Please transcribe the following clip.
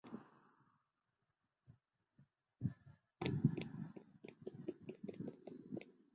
তিনি বাংলা চলচ্চিত্রের মাধ্যমে তার কর্মজীবন শুরু করেছিলেন।